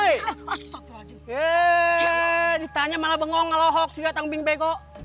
yee ditanya malah bengong ngelohok siatang bingbegok